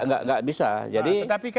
nggak bisa jadi